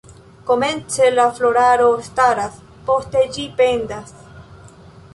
Komence la floraro staras, poste ĝi pendas.